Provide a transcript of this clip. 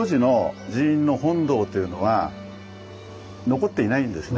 残ってないんですね